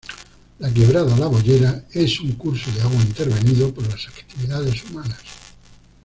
La Quebrada la Boyera es un curso de agua intervenido por las actividades humanas.